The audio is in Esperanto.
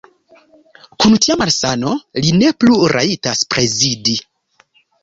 Kun tia malsano li ne plu rajtas prezidi!